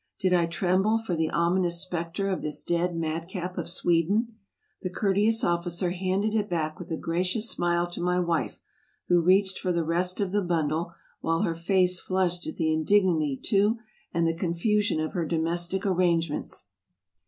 Did I tremble for the ominous specter of this dead madcap of Sweden ? The courteous officer handed it back with a gracious srmle to my wife, who reached for the rest of the bundle, while her face flushed at the indig nity to and the confusion of her domestic arrangements.